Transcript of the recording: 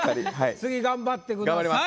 次頑張ってください。